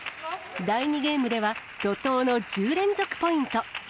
第２ゲームでは、怒とうの１０連続ポイント。